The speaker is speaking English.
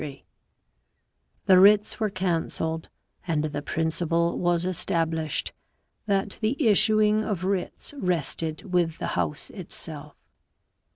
Th e wr i ts were cancelled, and the principle was established that the issuing of writs rested with the House itself.